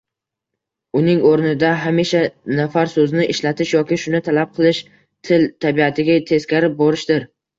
Uning oʻrnida hamisha nafar soʻzini ishlatish yoki shuni talab qilish til tabiatiga teskari borishdir